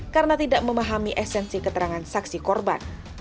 karena tidak memahami esensi keterangan saksi korban